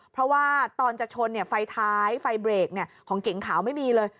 เพราะว่าตอนจะชนไฟท้ายไฟเบรกของเก๋งขาวไม่มีเลย